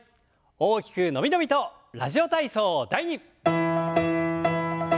大きく伸び伸びと「ラジオ体操第２」。